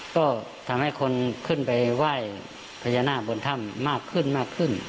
ก็ทำให้คนขึ้นไปไหว้พญานาคบนถ้ำมากขึ้นมากขึ้น